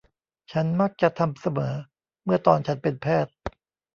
ฉันมักจะทำเสมอเมื่อตอนฉันเป็นแพทย์